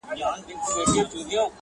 مار هم په دښمن مه وژنه.